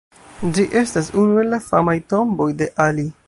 Ĝi estas unu el la famaj tomboj de Ali.